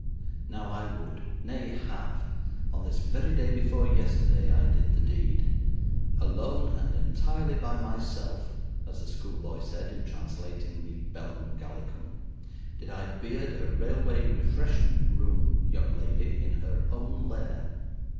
Now, I would nay, have on this very day before yesterday I did the deed. Alone and entirely by myself (as the school boy said in translating the "Bellum Gallicum") did I beard a railway refreshment room young lady in her own lair.